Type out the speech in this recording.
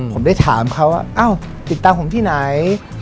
ผมได้ถามเขาว่าอ้าวติดตามผมที่ไหน